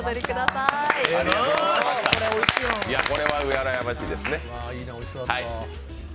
これはうらやましいですね。